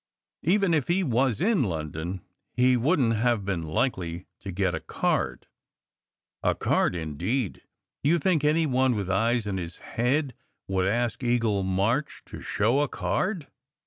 Even if he was in London, he wouldn t have been likely to get a card " "A card, indeed ! Do you think any one with eyes in his head would ask Eagle March to show a card